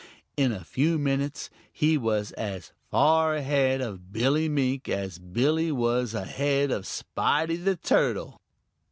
In a few minutes he was as far ahead of Billy Mink as Billy was ahead of Spotty the Turtle.